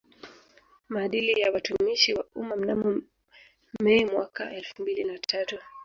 Maadili ya Watumishi wa Umma mnamo Mei mwaka elfumbili na tatu